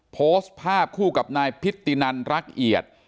โพสต์ภาพคู่กับนายพิตินันรักเอียด